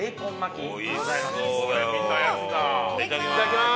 いただきます。